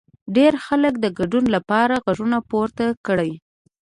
ډېر خلک د ګډون لپاره غږونه پورته کړي.